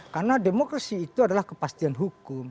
karena demokrasi itu adalah kepastian hukum